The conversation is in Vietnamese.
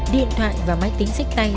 điện thoại và máy tính sách tay